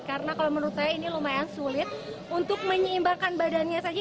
karena kalau menurut saya ini lumayan sulit untuk menyeimbangkan badannya saja